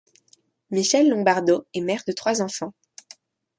Michelle Lombardo est mère de trois enfants.